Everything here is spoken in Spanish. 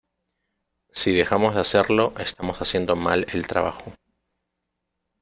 Si dejamos de hacerlo estamos haciendo mal el trabajo".